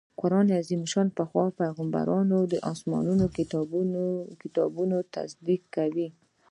قرآن عظيم الشان د پخوانيو پيغمبرانو د اسماني کتابونو تصديق کوي